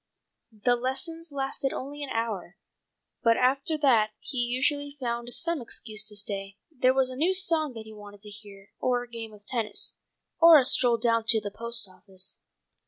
The lessons lasted only an hour, but after that he usually found some excuse to stay: there was a new song that he wanted to hear, or a game of tennis, or a stroll down to the post office.